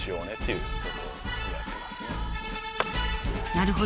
なるほど。